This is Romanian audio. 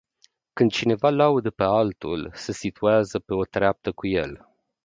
Când cineva laudă pe altul, se situează pe o treaptă cu el.